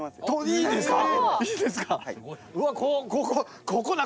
いいんですか！